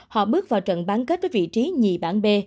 họ bước vào trận bán kết với vị trí nhì bản b